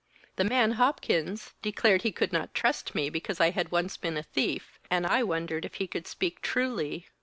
The man Hopkins declared he could not trust me because I had once been a thief, and I wondered if he could speak truly.